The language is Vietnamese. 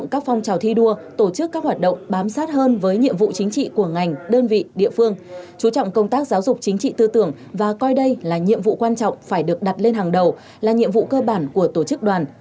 chú trọng công tác giáo dục chính trị tư tưởng và coi đây là nhiệm vụ quan trọng phải được đặt lên hàng đầu là nhiệm vụ cơ bản của tổ chức đoàn